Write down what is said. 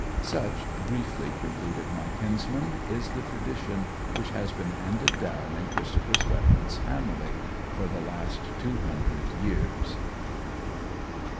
Such, briefly, concluded my kinsman, is the tradition which has been handed down in Christopher Swetman's family for the last two hundred years.